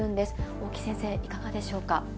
大木先生、いかがでしょうか。